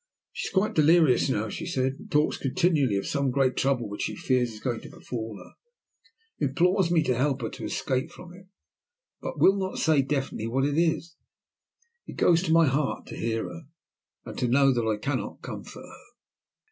"She is quite delirious now," she said, "and talks continually of some great trouble which she fears is going to befall her; implores me to help her to escape from it, but will not say definitely what it is. It goes to my heart to hear her, and to know that I cannot comfort her."